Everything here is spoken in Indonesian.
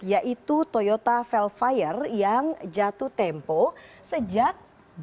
yaitu toyota velfire yang jatuh tempo sejak dua ribu dua